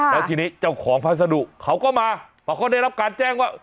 แล้วทีนี้เจ้าของพัสดุเขาก็มาเพราะเขาได้รับการแจ้งว่า